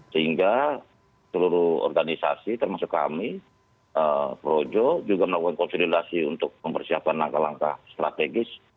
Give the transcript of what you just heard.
sehingga seluruh organisasi termasuk kami projo juga melakukan konsolidasi untuk mempersiapkan langkah langkah strategis